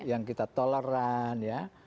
yang kita toleran